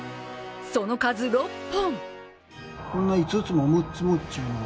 その数、６本！